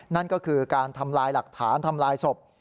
นั่นก็คือการทำลายหลักฐานทำลายศพ